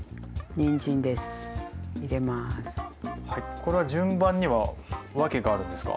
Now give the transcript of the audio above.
これは順番には訳があるんですか？